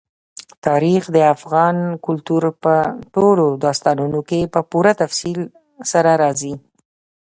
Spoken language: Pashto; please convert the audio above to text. تاریخ د افغان کلتور په ټولو داستانونو کې په پوره تفصیل سره راځي.